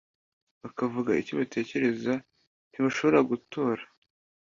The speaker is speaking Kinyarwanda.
bakavuga icyo batekereza ntibashobora gutora